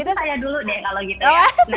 itu saya dulu deh kalau gitu